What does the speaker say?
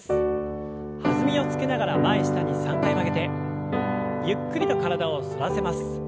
弾みをつけながら前下に３回曲げてゆっくりと体を反らせます。